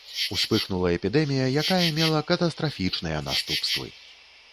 Успыхнула эпідэмія, якая мела катастрафічныя наступствы.